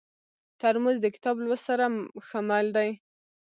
ترموز د کتاب لوست سره ښه مل دی.